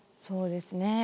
そうですね